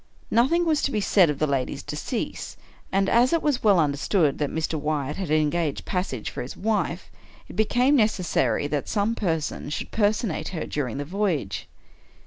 Nothing was to be said of the lady's decease; and, as it was well understood that Mr. Wyatt had engaged passage for his wife, it became necessary that some person should personate her during the voyage.